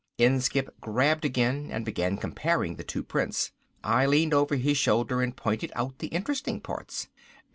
Inskipp grabbed again and began comparing the two prints. I leaned over his shoulder and pointed out the interesting parts.